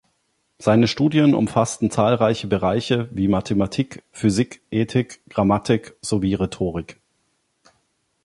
Seine Studien umfassten zahlreiche Bereiche wie Mathematik, Physik, Ethik, Grammatik sowie Rhetorik.